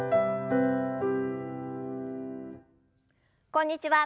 こんにちは